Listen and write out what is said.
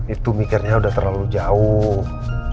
itu mikirnya udah terlalu jauh